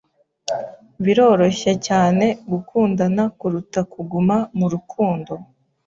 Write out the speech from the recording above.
Biroroshye cyane gukundana kuruta kuguma mu rukundo.